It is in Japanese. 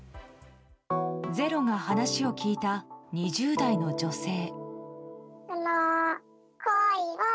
「ｚｅｒｏ」が話を聞いた２０代の女性。